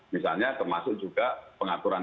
misalnya termasuk juga pengaturan